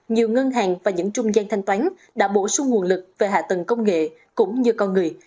nhiều ngân hàng và những trung gian thanh toán đã bổ sung nguồn lực về hạ tầng công nghệ cũng như con người